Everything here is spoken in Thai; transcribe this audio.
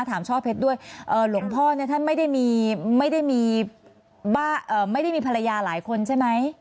ถามช่อเพชรด้วยเอ่อหลวงพ่อเนี่ยท่านไม่ได้มีไม่ได้มีไม่ได้มีภรรยาหลายคนใช่ไหม